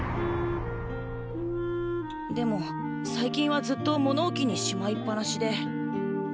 でも最近はずっと物置にしまいっ放しで。